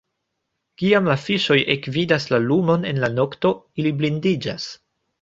Kiam la fiŝoj ekvidas la lumon en la nokto, ili blindiĝas.